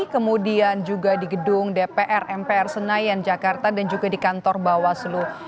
kemudian juga di gedung dpr mpr senayan jakarta dan juga di kantor bawaslu